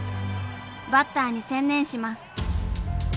バッターに専念します。